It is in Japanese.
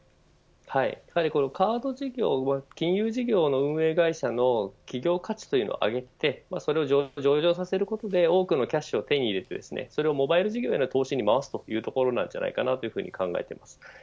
カード事業は金融事業の運営会社の企業価値というのを上げてそれを上場させることで多くのキャッシュを手に入れてそれをモバイル事業への投資に回すというところじゃないかと考えています。